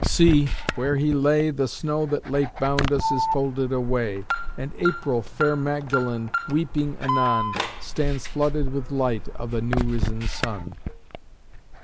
See, where He lay The snow that late bound us is folded away; And April, fair Magdalen, weeping anon, Stands flooded with light of the new risen Sun!